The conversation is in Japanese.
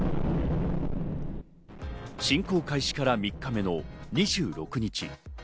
侵攻開始から３日目の２６日。